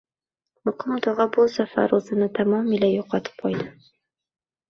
Muqim tog`a bu safar o`zini tamomila yo`qotib qo`ydi